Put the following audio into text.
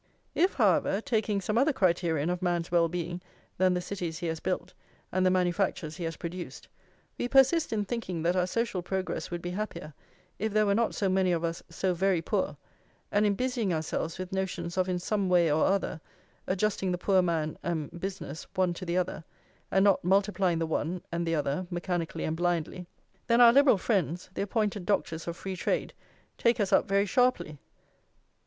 If, however, taking some other criterion of man's well being than the cities he has built and the manufactures he has produced, we persist in thinking that our social progress would be happier if there were not so many of us so very poor, and in busying ourselves with notions of in some way or other adjusting the poor man and business one to the other, and not multiplying the one and the other mechanically and blindly, then our Liberal friends, the appointed doctors of free trade, take us up very sharply.